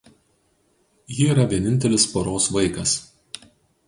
Ji yra vienintelis poros vaikas.